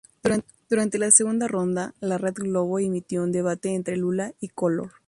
Durante la segunda ronda, la Red Globo emitió un debate entre Lula y Collor.